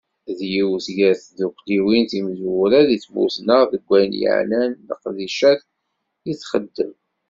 D yiwet gar tddukkliwin timezwura di tmurt-nneɣ deg wayen yeɛnan leqdicat i t-xeddem.